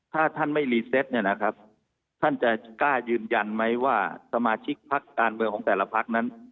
ถ้าท่านไม่รีเซตเนี่ยนะครับท่านจะกล้ายืนยันไหมว่าสมาชิกพักการเมืองของแต่ละพักนั้น